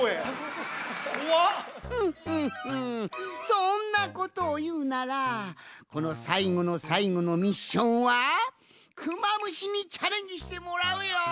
そんなことをいうならこのさいごのさいごのミッションはクマムシにチャレンジしてもらうよん！